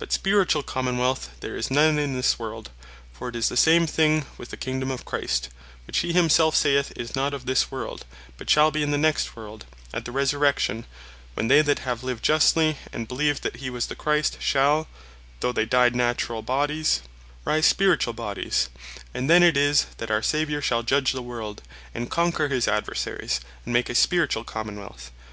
But Spirituall Common wealth there is none in this world: for it is the same thing with the Kingdome of Christ; which he himselfe saith, is not of this world; but shall be in the next world, at the Resurrection, when they that have lived justly, and beleeved that he was the Christ, shall (though they died Naturall bodies) rise Spirituall bodies; and then it is, that our Saviour shall judge the world, and conquer his Adversaries, and make a Spirituall Common wealth.